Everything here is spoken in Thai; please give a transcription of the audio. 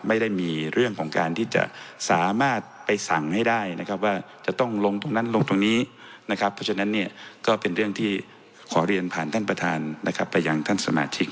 ไม่ได้มีเรื่องของการที่จะสามารถไปสั่งให้ได้นะครับว่าจะต้องลงตรงนั้นลงตรงนี้นะครับเพราะฉะนั้นเนี่ยก็เป็นเรื่องที่ขอเรียนผ่านท่านประธานนะครับไปยังท่านสมาชิก